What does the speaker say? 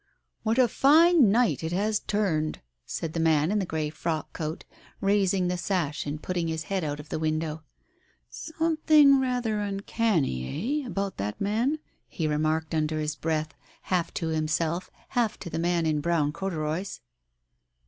" What a fine night it has turned !" said the man in the grey frock coat, raising the sash and putting his head out of the window. ... "Something rather uncanny, eh, about that man ?" he remarked under his breath, half to himself, half to the man in brown corduroys.